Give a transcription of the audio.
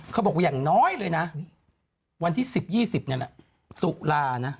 เขาบอกอย่างน้อยเลยนะ